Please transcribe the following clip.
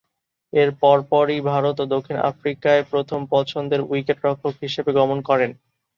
এর পরপরই ভারত ও দক্ষিণ আফ্রিকায় প্রথম পছন্দের উইকেট-রক্ষক হিসেবে গমন করেন।